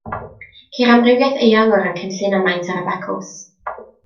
Ceir amrywiaeth eang o ran cynllun a maint yr abacws.